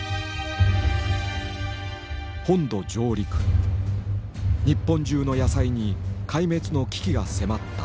本土上陸日本中の野菜に壊滅の危機が迫った。